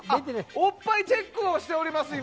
おっぱいチェックをしております、今。